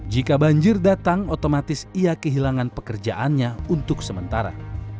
jika banjir datang otomatis ia kehilangan pekerjaannya untuk sementara